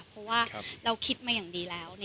เพราะว่าเราคิดมาอย่างดีแล้ว